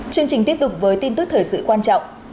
chương trình tiếp tục với tin tức thời sự quan trọng